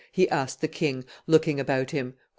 he asked the king, looking about him. "O!